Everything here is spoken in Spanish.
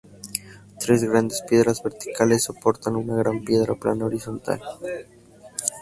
Tres grandes piedras verticales soportan una gran piedra plana horizontal.